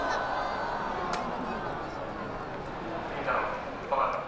倫太郎分かった。